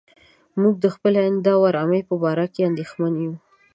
موږ د خپلې آینده آرامۍ په باره کې اندېښمن یو.